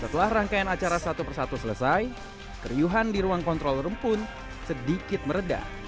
setelah rangkaian acara satu persatu selesai keriuhan di ruang kontrol room pun sedikit meredah